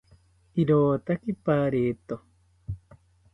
Irotaki pareto